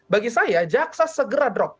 bagi saya jaksa segera drop